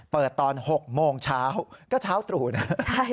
เปิดตอน๖โมงเช้าก็เช้าตรู่นะ